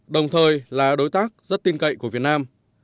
đồng thời là đối tác rất tin cậy của việt nam